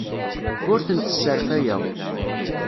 Ur tent-sserfayeɣ.